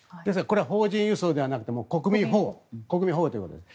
邦人輸送ではなくて国民保護ということです。